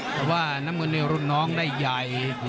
แต่ว่าน้ำเงินในรุ่นน้องได้ใหญ่